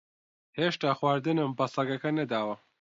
ھێشتا خواردنم بە سەگەکە نەداوە.